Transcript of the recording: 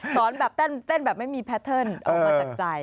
สอนแบบเต้นแบบไม่มีแพทเทิร์นออกมาจากใจ